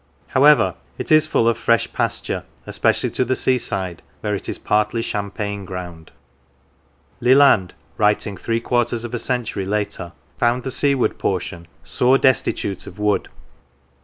However, it is full of fresh pasture, especially to the sea side, where it is partly champain ground." Leland, writing three quarters of a century later, found the seaward portion " sore destitute of wood."